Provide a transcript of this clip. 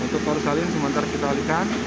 untuk paru saling sementara kita alihkan